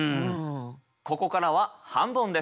ここからは半ボンです。